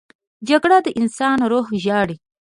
جګړه د انسان روح ژاړي